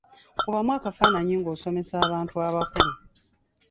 Kubamu akafaananyi ng'osomesa abantu abakulu.